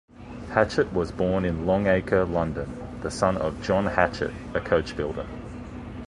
Hatchett was born in Long Acre, London the son of John Hatchett, a coach-builder.